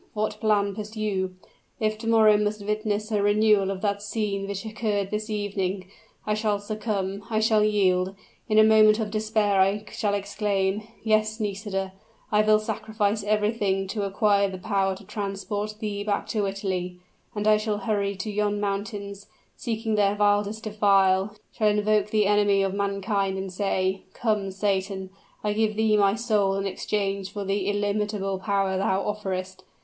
what plan pursue? If to morrow must witness a renewal of that scene which occurred this evening, I shall succumb I shall yield; in a moment of despair I shall exclaim, 'Yes, Nisida I will sacrifice everything to acquire the power to transport thee back to Italy;' and I shall hurry to yon mountains, and seeking their wildest defile, shall evoke the enemy of mankind, and say, 'Come, Satan, I give thee my soul in exchange for the illimitable power thou offerest.'